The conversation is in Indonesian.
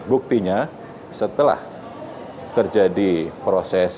buktinya setelah terjadi proses